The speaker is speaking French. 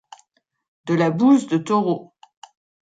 de la «bouse de taureau».